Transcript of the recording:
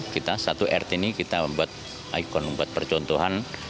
kita satu rt ini kita membuat ikon membuat percontohan